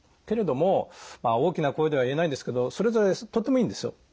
けれどもまあ大きな声では言えないんですけどそれぞれとってもいいんですよ。